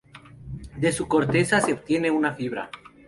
De su corteza se obtiene una fibra.